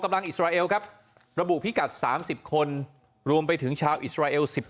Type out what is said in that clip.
อิสราเอลครับระบุพิกัด๓๐คนรวมไปถึงชาวอิสราเอล๑๔